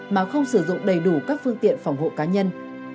mà không sử dụng đầy đủ các phương tiện phòng hộ cá nhân